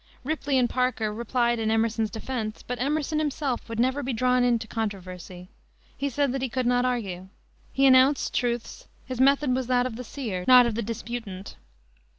Ripley and Parker replied in Emerson's defense; but Emerson himself would never be drawn into controversy. He said that he could not argue. He announced truths; his method was that of the seer, not of the disputant.